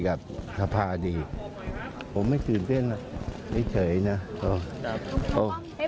เห็นบอกว่าจะมีกายเสนอชื่อชิงด้วยไหมคะ